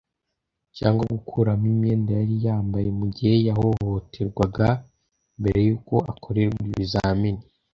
cyangwa gukuramo imyenda yari yambaye mu gihe yahohoterwaga mbere y’uko akorerwa ibizamini